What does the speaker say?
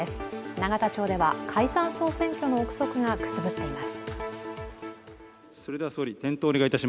永田町では解散総選挙の憶測がくすぶっています。